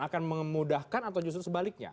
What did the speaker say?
akan memudahkan atau justru sebaliknya